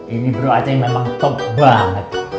ini bro aceh memang top banget